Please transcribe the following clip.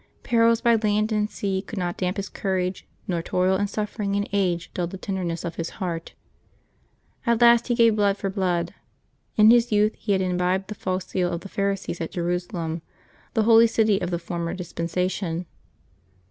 Perils by land and sea could not damp his courage, nor toil and suffering and age dull the tenderness of his heart. At last he gave blood for blood. In his youth he had imbibed the false zeal of the Pharisees at Jerusalem, the holy city of the former dis pensation.